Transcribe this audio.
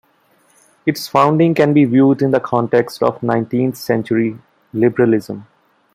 Its founding can be viewed in the context of nineteenth century liberalism.